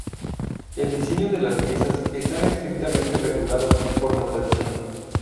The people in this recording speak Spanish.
El diseño de las piezas está estrictamente regulado por la tradición.